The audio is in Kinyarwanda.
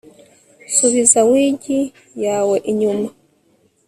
subiza wig yawe inyuma